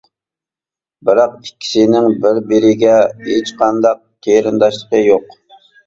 بىراق ئىككىسىنىڭ بىر-بىرىگە ھېچقانداق قېرىنداشلىقى يوق.